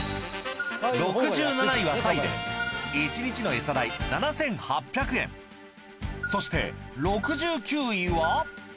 ６７位はサイで１日のエサ代７，８００円そして６９位は？